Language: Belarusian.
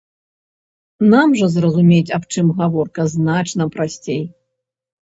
Нам жа зразумець, аб чым гаворка, значна прасцей.